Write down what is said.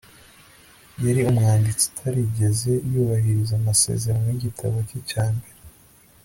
yari umwanditsi utarigeze yubahiriza amasezerano y'igitabo cye cya mbere